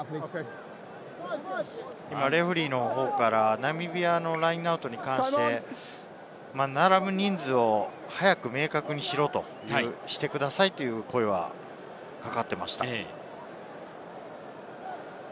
レフェリーからナミビアのラインアウトに関して、並ぶ人数を早く明確にしろという声がかかっていました。